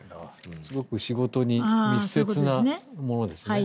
すごく仕事に密接なものですね。